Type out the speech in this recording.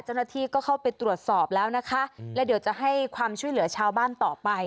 เจ้าหน้าที่ก็เข้าไปตรวจสอบแล้วนะคะและเดี๋ยวจะให้ความช่วยเหลือชาวบ้านต่อไป